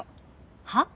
はっ？